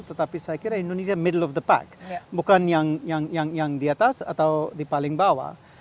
tetapi saya kira indonesia middle of the pack bukan yang di atas atau di paling bawah